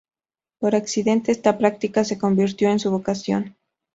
Por accidente, esta práctica se convirtió en su vocación.